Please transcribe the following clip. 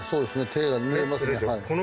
手がぬれますね。